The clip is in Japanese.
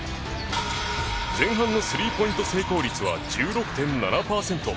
前半のスリーポイント成功率は１６．７％。